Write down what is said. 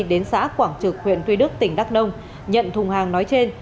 đến xã quảng trực huyện tuy đức tỉnh đắk nông nhận thùng hàng nói trên